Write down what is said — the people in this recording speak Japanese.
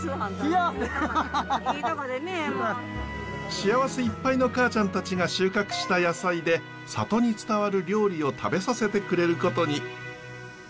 幸せいっぱいの母ちゃんたちが収穫した野菜で里に伝わる料理を食べさせてくれることに。